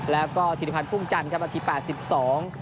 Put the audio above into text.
แล้วก็ธิริพันธ์พุ่มจันทร์ครับนาทีแปดสิบสอง